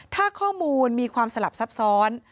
ถ้าข้อมูลมีความสลับซับซ้อน